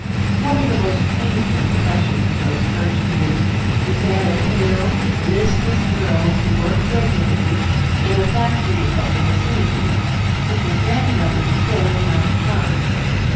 One of the most painful impressions of those first years is that of pale, listless girls, who worked regularly in a factory of the vicinity which was then running full night time.